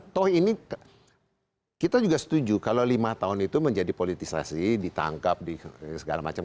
toh ini kita juga setuju kalau lima tahun itu menjadi politisasi ditangkap di segala macam